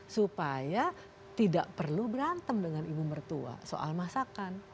supaya tidak perlu berantem dengan ibu mertua soal masakan